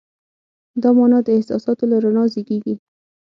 دا مانا د احساساتو له رڼا زېږېږي.